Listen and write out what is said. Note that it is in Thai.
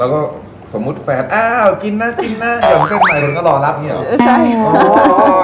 แล้วสมมติแฟนเค้ากินนะกินนะยำเส้นไข่ลงก็ล้องรับแฟนไข่อยู่งี้เหรอ